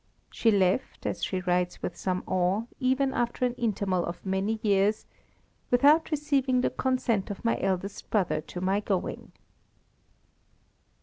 She left, as she writes with some awe, even after an interval of many years, "without receiving the consent of my eldest brother to my going."